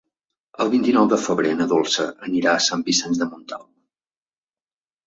El vint-i-nou de febrer na Dolça anirà a Sant Vicenç de Montalt.